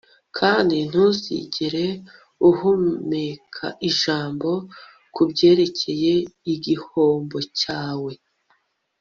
Kandi ntuzigere uhumeka ijambo kubyerekeye igihombo cyawe